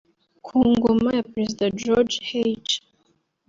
ku ngoma ya Perezida George H